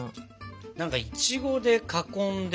なんかいちごで囲んで。